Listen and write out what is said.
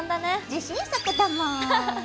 自信作だもん！